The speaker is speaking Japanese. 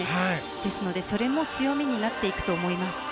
ですのでそれも強みになっていくと思います。